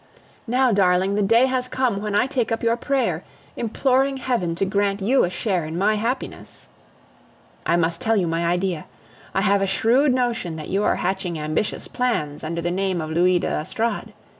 Now, darling, the day has come when I take up your prayer, imploring Heaven to grant you a share in my happiness. I must tell you my idea. I have a shrewd notion that you are hatching ambitious plans under the name of Louis de l'Estorade.